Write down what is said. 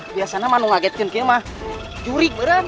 biasanya mah nungagetin kaya mah jurig bareng